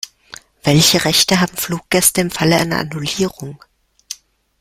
Welche Rechte haben Fluggäste im Falle einer Annullierung?